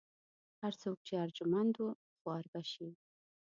هر څوک چې ارجمند و خوار به شي.